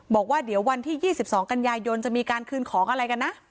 บอกว่าเดี๋ยววันที่๒๒กันยายนจะมีการคืนของอะไรกันนะ